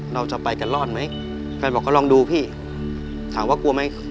เราจะไปกันรอดไหมแฟนบอกก็ลองดูพี่ถามว่ากลัวไหม